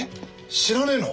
知らねえの？